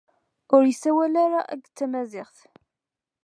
Ur yessawal ara akk tamaziɣt.